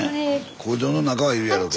工場の中はいるやろうけど。